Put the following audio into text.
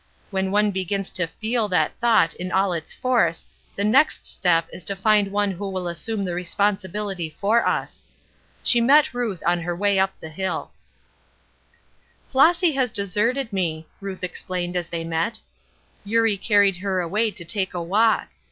When one begins to feel that thought in all its force the next step is to find one who will assume the responsibility for us. She met Ruth on her way up the hill. "Flossy has deserted me," Ruth explained as they met; "Eurie carried her away to take a walk.